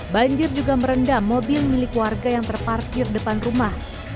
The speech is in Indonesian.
banjir juga merendam mobil milik warga yang terparkir depan rumah